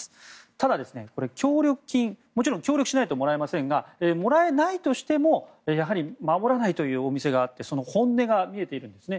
ただ、これは協力金もちろん協力しないともらえますがもらえないとしても守らないというお店があってその本音が見えているんですね。